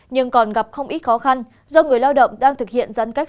nhưng còn gặp không ít khó khăn do người lao động đang thực hiện giãn cách